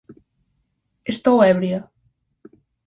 Estou ebria.